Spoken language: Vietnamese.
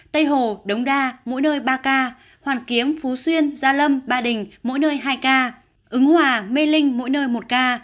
tây hồ đống đa mỗi nơi ba ca hoàn kiếm phú xuyên gia lâm ba đình mỗi nơi hai ca ứng hòa mê linh mỗi nơi một ca